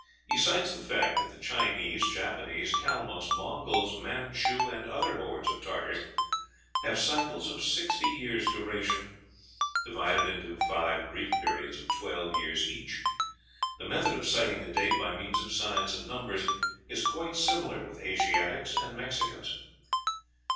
He cites the fact that the Chinese, Japanese, Calmucks, Mongols, Mantchou, and other hordes of Tartars have cycles of sixty years' duration, divided into five brief periods of twelve years each. The method of citing a date by means of signs and numbers is quite similar with Asiatics and Mexicans.